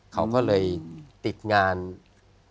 เค้าก็เลยติดงานตรงนี้